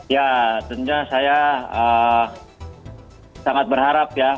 ya tentunya saya sangat berharap ya